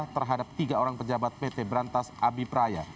terhadap tiga orang pejabat pt berantas abipraya